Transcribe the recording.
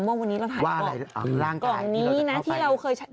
ว่าวันนี้เราถ่ายกล่องนี้นะที่เราเคย